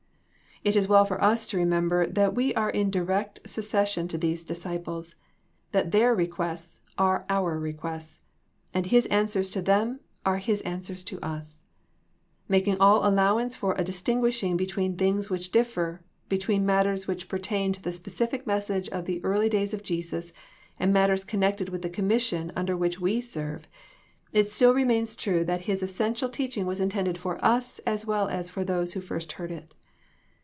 It is well for us to remember that we are in di rect succession to these disciples, that their re quests are our requests, and His answers to them are His answers to us. Making all allowance for a distiuguishing between things which differ, be tween matters which pertain to the specific mes sage of the early days of Jesus and matters con nected with the commission under which we serve ; it still remains true that His essential teaching was intended for us as well as for those who first heard it.